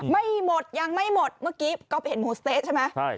ไม่หมดยังไม่หมดเมื่อกี้ก๊อฟเห็นหมูสะเต๊ะใช่ไหม